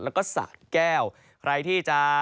แล้วก็สะแก้วใครที่จะ